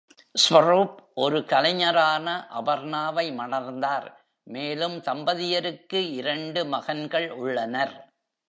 ஸ்வரூப் ஒரு கலைஞரான அபர்ணாவை மணந்தார், மேலும் தம்பதியருக்கு இரண்டு மகன்கள் உள்ளனர்.